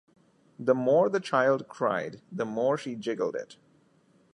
The more the child cried the more she jiggled it.